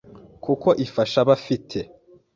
kuko ifasha abafite